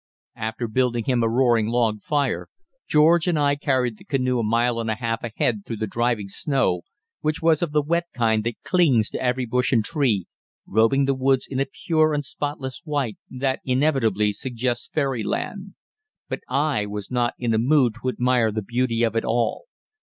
After building him a roaring log fire, George and I carried the canoe a mile and a half ahead through the driving snow, which was of the wet kind that clings to every bush and tree, robing the woods in a pure and spotless white that inevitably suggests fairyland. But I was not in a mood to admire the beauty of it all.